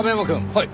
はい。